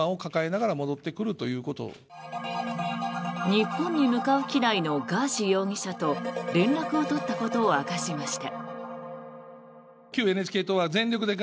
日本に向かう機内のガーシー容疑者と連絡を取ったことを明かしました。